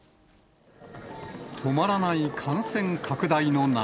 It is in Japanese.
止まらない感染拡大の波。